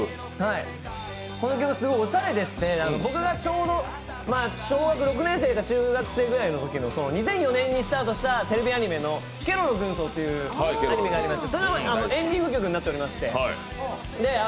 この曲、すごいおしゃれでして僕が小学６年生か中学１年生くらいの頃の曲で２００４年にスタートしたテレビアニメの「ケロロ軍曹」というアニメのそのエンディング曲になっていまして。